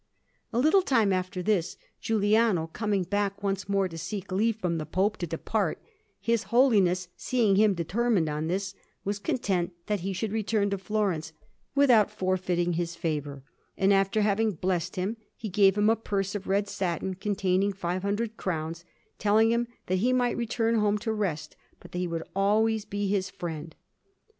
A little time after this, Giuliano coming back once more to seek leave from the Pope to depart, his Holiness, seeing him determined on this, was content that he should return to Florence, without forfeiting his favour; and, after having blessed him, he gave him a purse of red satin containing five hundred crowns, telling him that he might return home to rest, but that he would always be his friend.